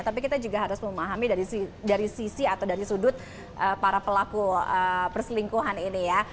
tapi kita juga harus memahami dari sisi atau dari sudut para pelaku perselingkuhan ini ya